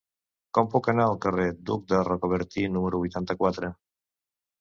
Com puc anar al carrer d'Hug de Rocabertí número vuitanta-quatre?